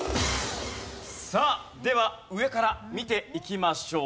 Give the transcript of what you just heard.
さあでは上から見ていきましょう。